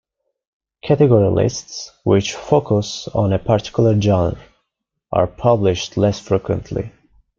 Category lists, which focus on a particular genre, are published less frequently.